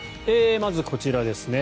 まずこちらですね。